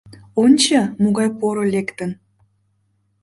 Ончо, могай поро лектын!